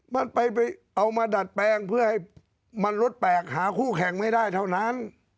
มันไปเอามาดัดแปลงเพื่อให้มันลดแปลกหาคู่แข่งไม่ได้เท่านั้น